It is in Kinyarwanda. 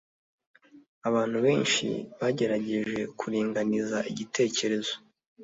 Abantu benshi bagerageje kuringaniza igitekerezo